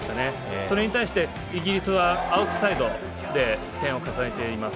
それに対してイギリスはアウトサイドで点を重ねています。